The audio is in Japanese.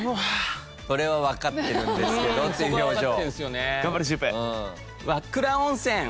それは分かってるんですけどっていう表情。